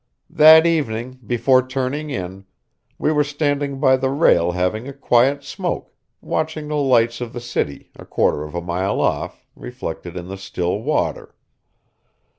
That evening, before turning in, we were standing by the rail having a quiet smoke, watching the lights of the city, a quarter of a mile off, reflected in the still water.